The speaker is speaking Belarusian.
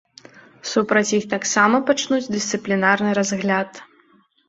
Супраць іх таксама пачнуць дысцыплінарны разгляд.